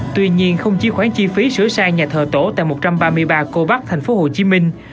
tuy nhiên không chỉ khoán chi phí sửa sang nhà thờ tổ tại một trăm ba mươi ba cô bắc thành phố hồ chí minh